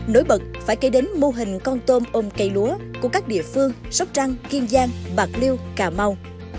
nối bật phải kể đến mô hình con tôm ôm cây lúa của các địa phương sóc trăng kiên giang bạc liêu cà mau